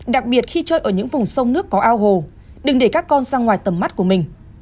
đặc biệt khi chơi ở những vùng sông nước có ao hồ đừng để các con ra ngoài tầm mắt của mình